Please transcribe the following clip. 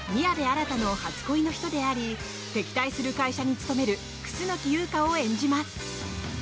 新の初恋の人であり敵対する会社に勤める楠木優香を演じます。